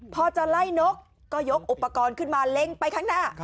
พอจะไล่นกก็ยกอุปกรณ์ขึ้นมาเล็งไปข้างหน้า